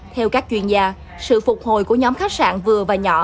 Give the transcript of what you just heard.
theo các chuyên gia sự phục hồi của nhóm khách sạn vừa và nhỏ